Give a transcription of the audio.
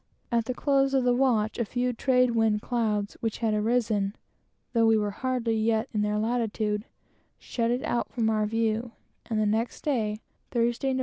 At the close of the watch a few trade wind clouds which had arisen, though we were hardly yet in their latitude, shut it out from our view, and the next day, Thursday, Nov.